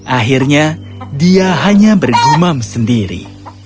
akhirnya dia hanya bergumam sendiri